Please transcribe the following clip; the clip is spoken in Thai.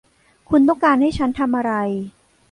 คุณต้องการให้ฉันทำอะไร ?